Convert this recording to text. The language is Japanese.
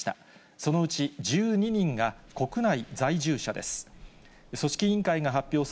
そのうち１２人が国内在住者です。